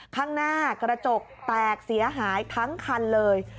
ข้างหน้ากระจกแตกเสียหายทั้งคันเลย